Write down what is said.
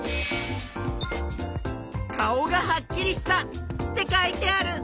「顔がはっきりした」って書いてある！